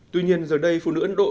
tuy nhiên giờ đây phụ nữ ấn độ